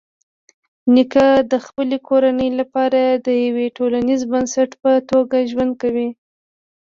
نیکه د خپلې کورنۍ لپاره د یوه ټولنیز بنسټ په توګه ژوند کوي.